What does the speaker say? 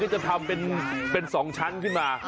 จะทำเป็น๒ชั้นขึ้นมา